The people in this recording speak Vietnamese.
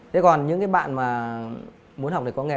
thế còn những cái bạn mà muốn học để có nghề